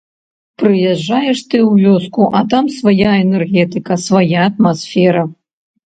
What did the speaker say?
Прыязджаеш ты ў вёску, а там свая энергетыка, свая атмасфера.